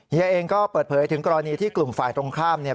เฮียเองก็เปิดเผยถึงกรณีที่กลุ่มฝ่ายตรงข้ามเนี่ย